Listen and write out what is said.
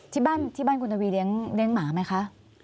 ที่บ้านคุณทวีเลี้ยงหมาไหมคะ